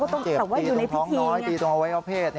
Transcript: มันเจ็บตีตรงท้องน้อยตีตรงอวัยวะเพศ